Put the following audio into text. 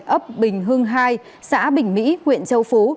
ấp bình hưng hai xã bình mỹ huyện châu phú